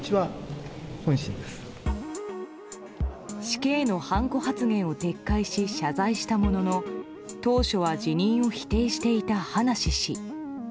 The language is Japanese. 死刑のはんこ発言を撤回し謝罪したものの当初は辞任を否定していた葉梨氏。